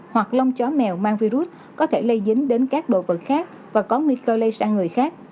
hoặc lông chó mèo mang virus có thể lây dính đến các đồ vật khác và có nguy cơ lây sang người khác